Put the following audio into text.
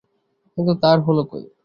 কিন্তু তা আর হলো কই!